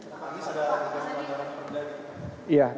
pak anies sudah mencoba melihat